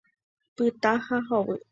Pytã ha hovy.